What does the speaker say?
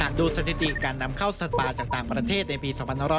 ดูสถิติการนำเข้าสัตว์ป่าจากต่างประเทศในปี๒๕๖๐